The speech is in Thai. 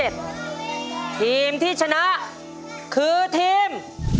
ทีมที่ชนะคือทีม